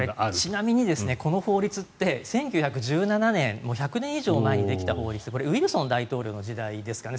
ちなみに、この法律って１９１７年１００年以上前にできた法律でこれ、ウィルソン大統領の時代ですかね